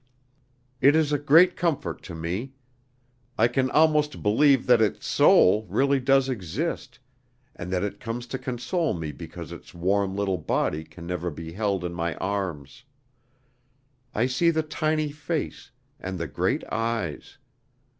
It is a great comfort to me. I can almost believe that its soul really does exist, and that it comes to console me because its warm little body can never be held in my arms. I see the tiny face, and the great eyes.